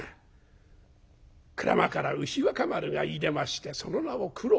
『鞍馬から牛若丸がいでましてその名を九郎』。